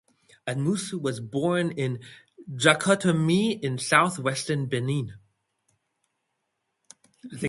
Amoussou was born in Djakotomey in south-western Benin.